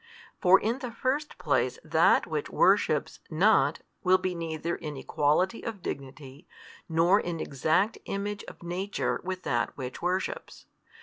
For in the first place that which worships not will be neither in equality of dignity, nor in exact Image of nature with that which worships.